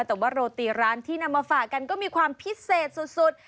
แต่ว่าโรตีร้านที่นำมาฝากกันก็มีความพิเศษสุด